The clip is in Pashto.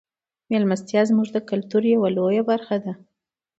میلمستیا زموږ د کلتور یوه لویه برخه ده.